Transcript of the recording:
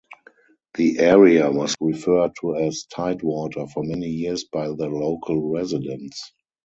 The area was referred to as "Tidewater" for many years by the local residents.